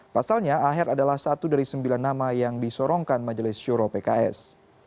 pasalnya aher adalah satu dari sembilan nama yang disorongkan majelis syuro pks